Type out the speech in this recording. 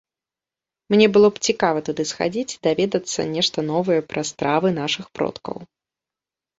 Мне было б цікава туды схадзіць і даведацца нешта новае пра стравы нашых продкаў.